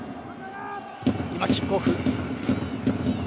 キックオフ。